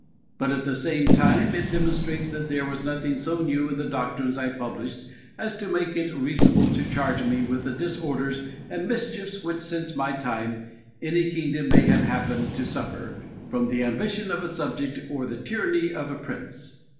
But at the same time it demonstrates that there was nothing so new in the doctrines I published as to make it reasonable to charge me with the disorders and mischiefs which, since my time, any kingdom may have happened to suffer from the ambition of a subject or the tyranny of a prince.